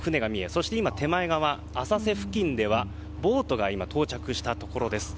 そして、手前側の浅瀬付近ではボートが到着したところです。